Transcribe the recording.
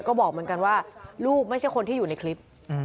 ก็บอกเหมือนกันว่าลูกไม่ใช่คนที่อยู่ในคลิป